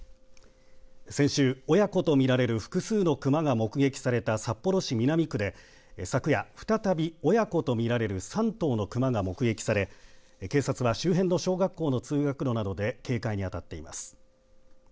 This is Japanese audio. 先週、親子と見られる複数の熊が目撃された札幌市南区で昨夜、再び親子と見られる３頭の熊が目撃され警察は周辺の小学校の通学路などで警戒に当たっています。